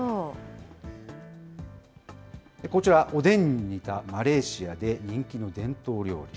こちら、おでんに似たマレーシアで人気の伝統料理。